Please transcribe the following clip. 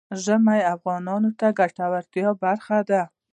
ژمی د افغانانو د ګټورتیا برخه ده.